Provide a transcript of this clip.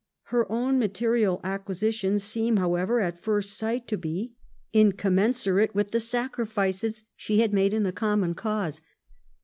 Her own material acquisitions seem, however, at first sight to be incom mensurate with the sacrifices she had made in the common cause.